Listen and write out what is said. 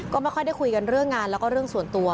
ก็ไม่ค่อยได้คุยกันเรื่องงานแล้วก็เรื่องส่วนตัว